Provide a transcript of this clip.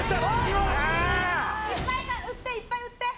いっぱい売っていっぱい売って！